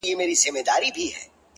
چي لاد هغې بيوفا پر كلي شپـه تېــروم _